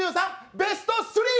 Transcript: ベスト３。